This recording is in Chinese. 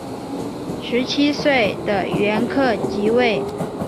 十七岁的元恪即位。